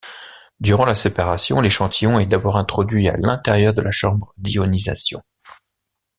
Durant la séparation, l’échantillon est d’abord introduit à l’intérieur de la chambre d’ionisation.